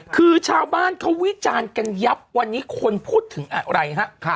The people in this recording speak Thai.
คือชาวบ้านเขาวิจารณ์กันยับวันนี้คนพูดถึงอะไรฮะ